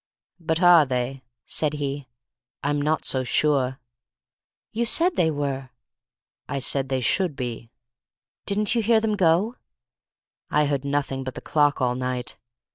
"But are they?" said he. "I'm not so sure." "You said they were!" "I said they should be." "Didn't you hear them go?" "I heard nothing but the clock all night.